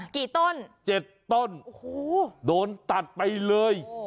กี่ต้น๗ต้นโอ้โหโดนตัดไปเลย